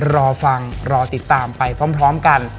รอฟังรอติดตามไปพร้อมกัน